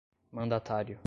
mandatário